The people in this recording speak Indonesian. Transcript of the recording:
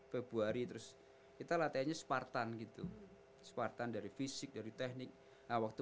februari terus kita latihannya spartan gitu spartan dari fisik dari teknik waktu